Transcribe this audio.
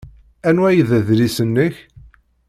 Anwa ay d adlis-nnek?